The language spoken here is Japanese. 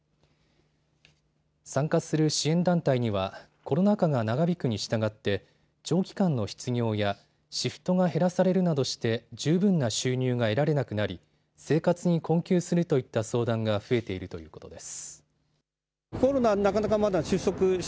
参加する支援団体にはコロナ禍が長引くに従って長期間の失業やシフトが減らされるなどして十分な収入が得られなくなり生活に困窮するといった相談が増えているということです。